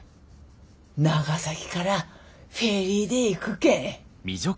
長崎からフェリーで行くけん。